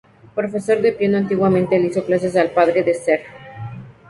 Profesor de piano que antiguamente le hizo clases al padre de Serge.